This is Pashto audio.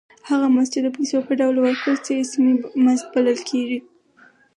هغه مزد چې د پیسو په ډول ورکړل شي اسمي مزد بلل کېږي